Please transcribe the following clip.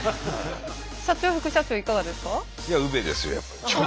社長副社長いかがですか？